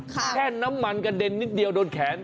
แค่น้ำมันกระเด็นนิดเดียวโดนแขน